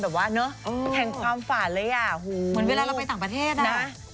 แข็งความฝันเลยอ่ะเหมือนเวลาเราไปต่างประเทศฮู